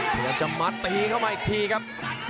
พยายามจะมัดตีเข้ามาอีกทีครับ